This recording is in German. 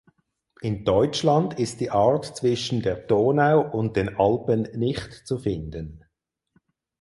In Deutschland ist die Art zwischen der Donau und den Alpen nicht zu finden.